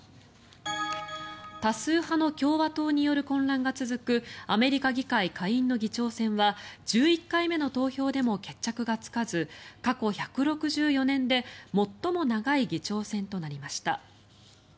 多数派の共和党による混乱が続くアメリカ議会下院の議長選は１１回目の投票でも決着がつかず過去１６４年で最も長い議長選となりました。